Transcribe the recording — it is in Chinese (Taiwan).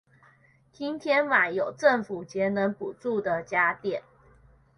今天買有政府節能補助的家電